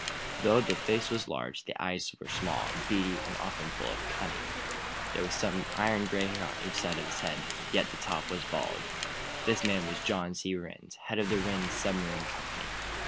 Though the face was large, the eyes were small, beady, and often full of cunning. There was some iron gray hair at each side of the head; the top was bald. This man was John C. Rhinds, head of the Rhinds Submarine Company.